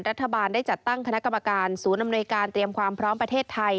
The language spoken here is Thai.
รัฐบาลได้จัดตั้งคณะกรรมการศูนย์อำนวยการเตรียมความพร้อมประเทศไทย